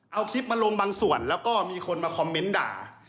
เอาคลิปมาลงบางส่วนแล้วก็มีคนมาคอมเมนต์ด่า